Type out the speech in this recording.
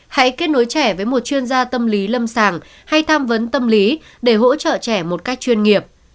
hãy kết nối trẻ với một chuyên gia tâm lý lâm sàng hay tham vấn tâm lý để hỗ trợ trẻ một cách chuyên nghiệp